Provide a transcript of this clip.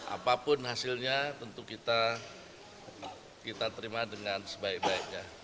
apapun hasilnya tentu kita terima dengan sebaik baiknya